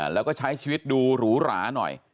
แล้วก็ใช้ชีวิตดูหรูหราหน่อย